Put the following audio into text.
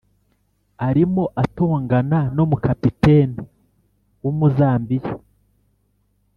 arimo atongana n' umu capitaine w' umuzambiya!